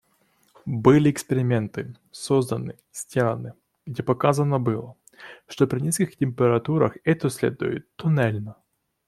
Были эксперименты созданы, сделаны, где показано было, что при низких температурах это следует тоннельно.